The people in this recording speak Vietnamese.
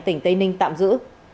tỉnh tây ninh tạm giữ